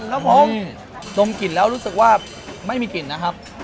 ครับผมดมกลิ่นแล้วรู้สึกว่าไม่มีกลิ่นนะครับ